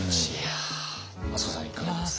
益子さんいかがですか？